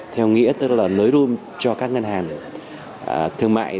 theo nghĩa tức là nới room cho các ngân hàng thương mại